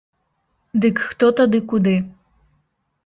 Дык хто тады куды?